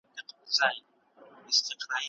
زه به نو خوشحاله وای .